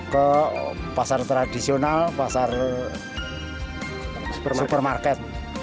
ke pasar tradisional pasar supermarket